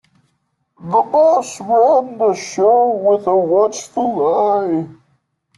The boss ran the show with a watchful eye.